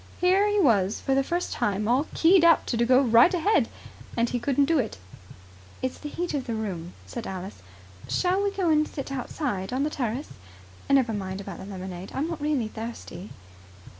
Here he was for the first time all keyed up to go right ahead, and he couldn't do it. "It's the heat of the room," said Alice. "Shall we go and sit outside on the terrace? Never mind about the lemonade. I'm not really thirsty."